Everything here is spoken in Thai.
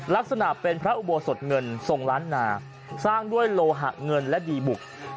ลักษณะเป็นพระอุโบสถเงินทรงล้านนาสร้างด้วยโลหะเงินและดีบุก